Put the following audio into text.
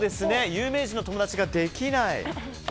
有名人の友達ができない。